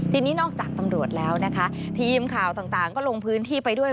ทีนี้นอกจากตำรวจแล้วนะคะทีมข่าวต่างก็ลงพื้นที่ไปด้วย